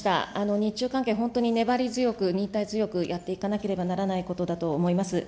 日中関係、本当に粘り強く、忍耐強く、やっていかなければならないことだと思います。